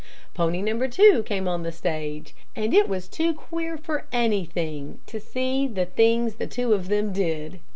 Pony number two came on the stage, and it was too queer for anything to see the things the two of them did.